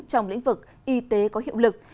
trong lĩnh vực y tế có hiệu lực